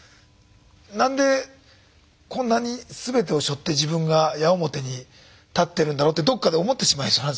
何でこんなに全てをしょって自分が矢面に立ってるんだろうってどっかで思ってしまいそうなんですよ。